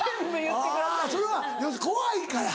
あそれは要するに怖いから？